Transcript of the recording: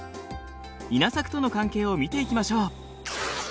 稲作との関係を見ていきましょう。